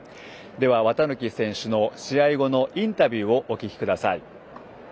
綿貫選手の試合後のインタビューをお聞きください。